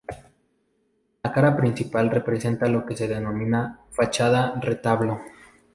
La cara principal representa lo que se denomina fachada retablo.